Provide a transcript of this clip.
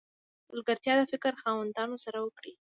ملګرتیا د فکر خاوندانو سره وکړئ!